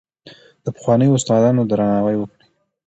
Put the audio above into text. د پخوانیو استادانو درناوی وکړئ.